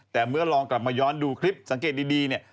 แต่เมื่อลองกลับมาย้อนดูคลิปสังเกตดีเนี่ย